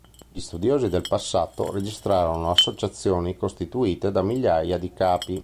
Gli studiosi del passato registrarono associazioni costituite da migliaia di capi.